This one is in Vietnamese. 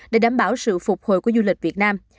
để đảm bảo sự phục hồi của du lịch việt nam